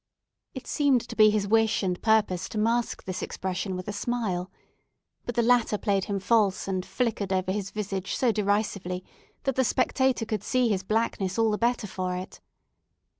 It seemed to be his wish and purpose to mask this expression with a smile, but the latter played him false, and flickered over his visage so derisively that the spectator could see his blackness all the better for it.